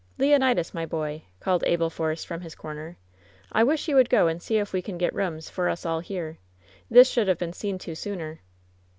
"Leonidas, my boy!'' called Abel Force from his cor ner, "I wish you would go and see if we can get rooms for us all here. This should have been seen to sooner."